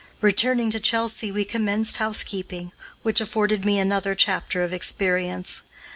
Returning to Chelsea we commenced housekeeping, which afforded me another chapter of experience.